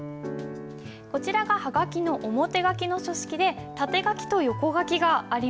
こちらがハガキの表書きの書式で縦書きと横書きがあります。